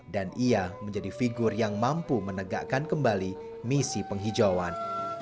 dan ia menjadi figur yang mampu menegakkan kembali misi penghijauan